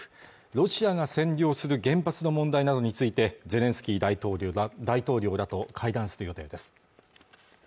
ロシアが占領する原発の問題などについてゼレンスキー大統領らと会談する予定です